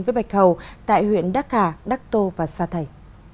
với bạch hầu tại huyện đắc hà đắc tô và sa thầy